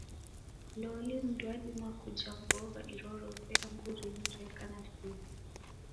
Loli mndu wadima kuja mbogha irorose angu rimu reka na sumu?